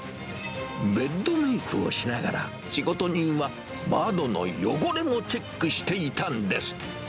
ベッドメイクをしながら、仕事人は窓の汚れもチェックしていたんです。